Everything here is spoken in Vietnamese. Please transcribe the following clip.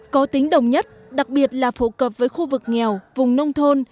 có tính đồng nhất đặc biệt là phổ cập với khu vực nghèo vùng nông thôn